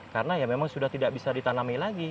karena ya memang sudah tidak bisa ditanami lagi